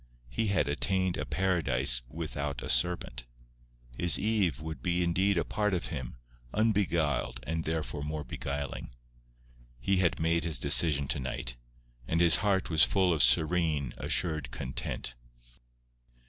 He had attained a Paradise without a serpent. His Eve would be indeed a part of him, unbeguiled, and therefore more beguiling. He had made his decision to night, and his heart was full of serene, assured content.